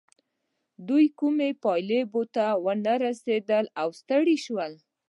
دوی کومې پايلې ته ونه رسېدل او ستړي شول.